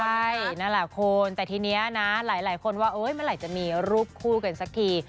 ใช่นั่นแหละคุณแต่ทีนี้นะหลายคนว่าเมื่อไหร่จะมีรูปคู่กันสักที